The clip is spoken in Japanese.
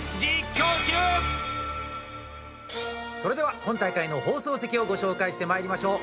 それでは、今大会の放送席をご紹介してまいりましょう。